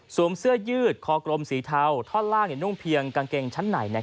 เสื้อยืดคอกลมสีเทาท่อนล่างนุ่งเพียงกางเกงชั้นใน